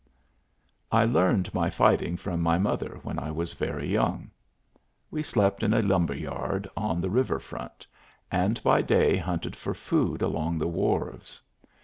I learned my fighting from my mother when I was very young. We slept in a lumber yard on the river front, and by day hunted for food along the wharves.